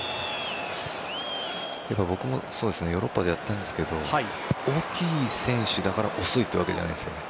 僕もヨーロッパでやっていたんですけど大きい選手だから遅いというわけじゃないんですよね。